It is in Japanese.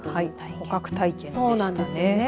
本格体験でしたね。